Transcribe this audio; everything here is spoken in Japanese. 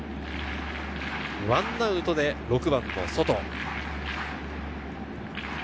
１アウトで６番のソト。